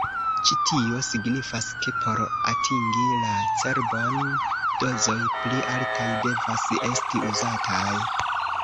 Ĉi-tio signifas ke por atingi la cerbon, dozoj pli altaj devas esti uzataj.